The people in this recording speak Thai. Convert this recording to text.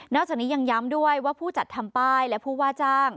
จากนี้ยังย้ำด้วยว่าผู้จัดทำป้ายและผู้ว่าจ้าง